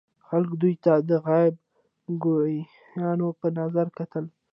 خلکو دوی ته د غیب ګویانو په نظر کتل.